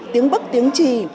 tiếng bất tiếng trì